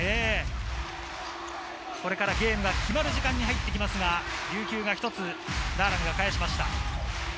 これからゲームが決まる時間になりますが、琉球が１つ、ダーラムが返しました。